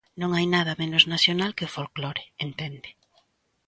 Non hai nada menos nacional que o folclore, entende.